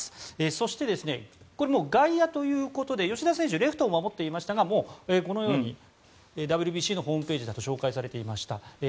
そして、外野ということで吉田選手レフトを守っていますがＷＢＣのホームページだと紹介されていました。